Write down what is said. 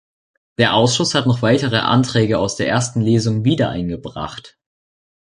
Der Ausschuss hat noch weitere Anträge aus der ersten Lesung wiedereingebracht.